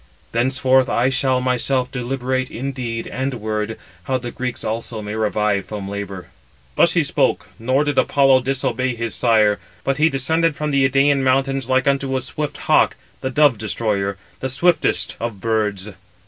Thenceforth I shall myself deliberate in deed and word, how the Greeks also may revive from labour." Thus he spoke, nor did Apollo disobey his sire, but he descended from the Idæan mountains like unto a swift hawk the dove destroyer, the swiftest of birds.